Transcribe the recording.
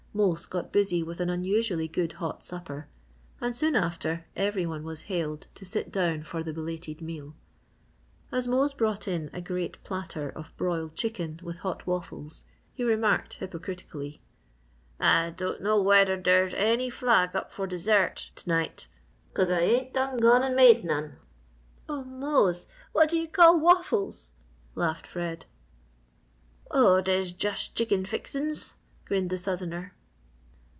Mose got busy with an unusually good hot supper and soon after, every one was hailed to sit down for the belated meal. As Mose brought in a great platter of broiled chicken with hot waffles he remarked hypocritically: "Ah don' know wedder ders any flag up fo' dessert t' night, cuz Ah ain't done gone an' made none!" "Oh Mose! What do you call waffles?" laughed Fred. "Oh, de's jus' chicken fixin's!" grinned the southerner.